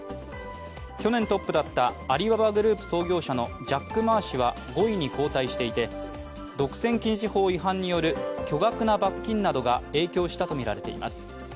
去年トップだったアリババグループ創業者のジャック・マー氏は５位に後退していて、独占禁止法違反による巨額な罰金などが影響したとみられています。